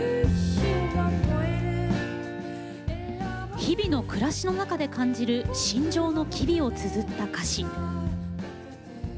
日々の暮らしの中で感じる心情の機微をつづった歌詞。